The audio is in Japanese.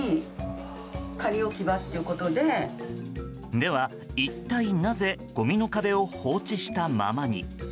では、一体なぜごみの壁を放置したままに？